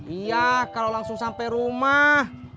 iya kalau langsung sampai rumah